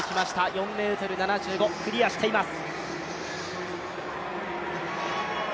４ｍ７５、クリアしています。